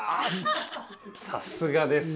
さすがです。